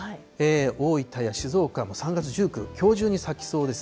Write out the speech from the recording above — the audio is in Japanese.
大分や静岡も３月１９、きょう中に咲きそうです。